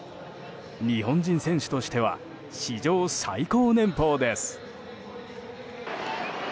日本人選手としては史上最高年俸です。